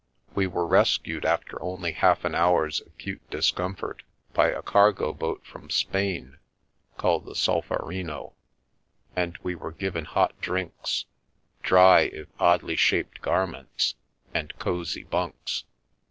We were rescued after only half an hour's acute dis comfort by a cargo boat from Spain, called the Solferino, and we were given hot drinks, dry if oddly shaped gar ments, and cosy bunks.